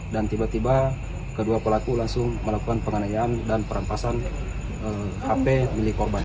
dan tiba tiba kedua pelaku langsung melakukan penganiayaan dan perampasan hp milik korban